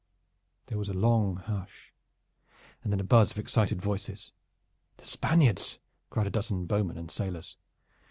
There was a long hush, and then a buzz of excited voices. "The Spaniards!" cried a dozen bowmen and sailors.